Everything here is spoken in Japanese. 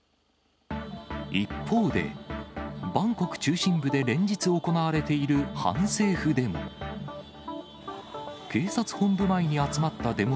一方で、バンコク中心部で連日、行われている反政府デモ。